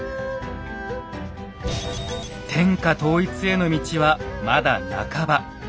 天下統一への道はまだ半ば。